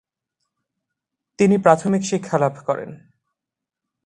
তিনি প্রাথমিক শিক্ষালাভ করেন।